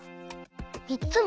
みっつも？